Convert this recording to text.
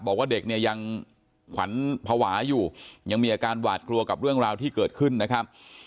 บอกว่าเด็กเนี่ยยังขวัญภาวะอยู่ยังมีอาการหวาดกลัวกับเรื่องราวที่เกิดขึ้นนะครับ